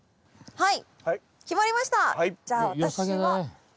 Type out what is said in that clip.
はい。